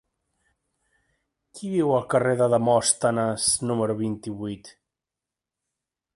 Qui viu al carrer de Demòstenes número vint-i-vuit?